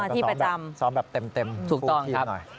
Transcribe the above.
อ๋อที่ประจำซ้อมแบบเต็มทุกทีมหน่อย